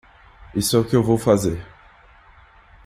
Isso é o que eu vou fazer.